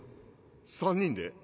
３人で？